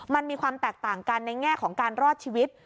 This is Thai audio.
มันมีความแตกต่างกันในแง่ของการรอดชีวิต